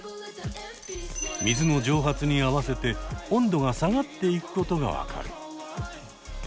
水の蒸発に合わせて温度が下がっていくことが分かる。